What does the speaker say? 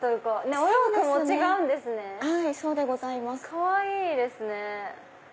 かわいいですね。